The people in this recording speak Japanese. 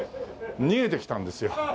逃げてきたんですよ。